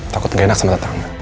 takut gak enak sama